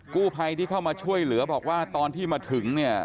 กู้ภัยที่เข้ามาช่วยเหลือบอกว่าตอนที่มาถึงเนี่ย